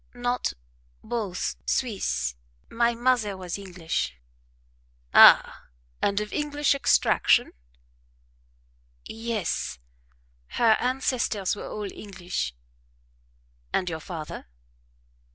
"Not BOTH Swiss: my mother was English." "Ah! and of English extraction?" "Yes her ancestors were all English." "And your father?"